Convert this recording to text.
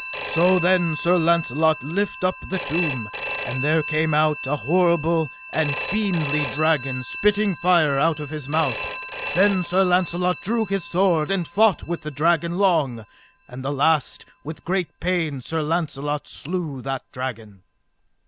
So then Sir Launcelot lift up the tomb, and there came out an horrible and a fiendly dragon, spitting fire out of his mouth. Then Sir Launcelot drew his sword and fought with the dragon long, and at the last with great pain Sir Launcelot slew that dragon.